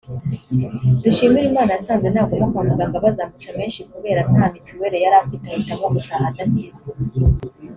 Dushimirimana yasanze naguma kwa muganga bazamuca menshi kubera nta mituweli yari afite ahitamo gutaha adakize